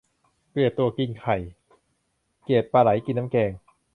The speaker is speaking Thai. เกลียดตัวกินไข่ เกลียดปลาไหลกินน้ำแกง